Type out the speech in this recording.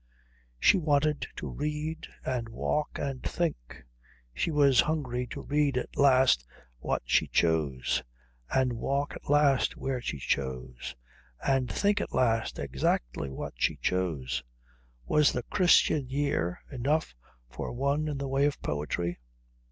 She wanted to read, and walk, and think. She was hungry to read at last what she chose, and walk at last where she chose, and think at last exactly what she chose. Was the Christian Year enough for one in the way of poetry?